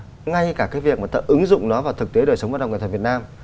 ngay cả cái việc mà ta ứng dụng nó vào thực tế đời sống văn học nghệ thuật việt nam